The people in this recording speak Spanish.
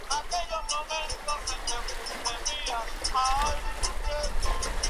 Durante el golpe, varios seguidores de Makarios fueron encarcelados o murieron durante la lucha.